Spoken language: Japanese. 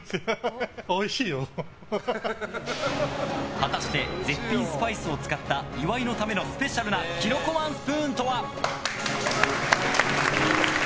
果たして絶品スパイスを使った岩井のためのスペシャルなキノコワンスプーンとは？